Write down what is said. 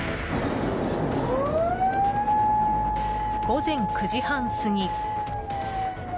午前９時半過ぎ。